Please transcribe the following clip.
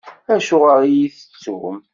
Acuɣeṛ i iyi-tettum?